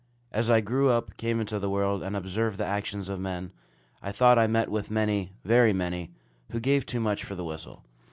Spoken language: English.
As I grew up, came into the world, and observed the actions of men, I thought I met with many, very many, "who gave too much for the whistle."